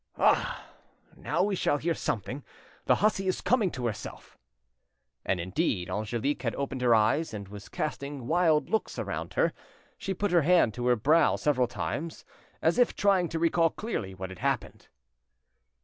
Ah! now we shall hear something; the hussy is coming to herself." And indeed Angelique had opened her eyes and was casting wild looks around her; she put her hand to her brow several times, as if trying to recall clearly what had happened.